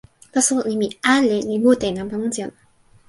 taso nimi "ale" li mute e nanpa monsi ona.